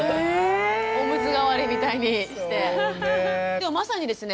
でもまさにですね